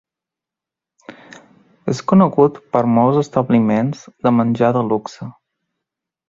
És conegut per molts establiments de menjar de luxe.